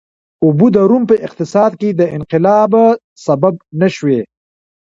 اوبه د روم په اقتصاد کې د انقلاب سبب نه شوې.